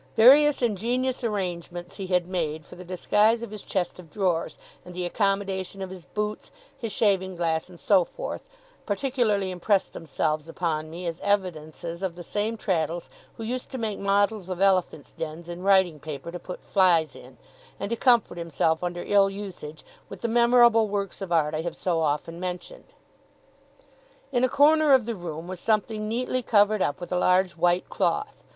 Various ingenious arrangements he had made, for the disguise of his chest of drawers, and the accommodation of his boots, his shaving glass, and so forth, particularly impressed themselves upon me, as evidences of the same Traddles who used to make models of elephants' dens in writing paper to put flies in; and to comfort himself under ill usage, with the memorable works of art I have so often mentioned. In a corner of the room was something neatly covered up with a large white cloth.